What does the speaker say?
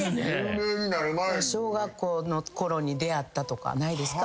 小学校の頃に出会ったとかないですか？